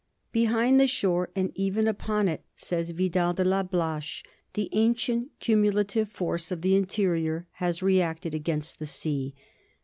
" Behind the shore and even upon it," says Vidal de la Blache, "the ancient cumulative force of the interior has reacted against the sea.